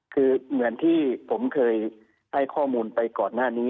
คือเหมือนที่ผมเคยให้ข้อมูลไปก่อนหน้านี้